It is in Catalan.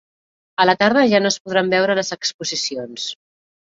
A la tarda ja no es podran veure les exposicions.